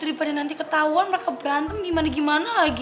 daripada nanti ketahuan mereka berantem gimana gimana lagi